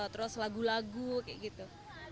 terus lagu lagu kayak gitu